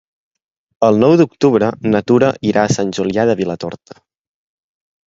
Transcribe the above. El nou d'octubre na Tura irà a Sant Julià de Vilatorta.